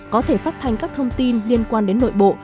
có thể phát thanh các thông tin liên quan đến nội bộ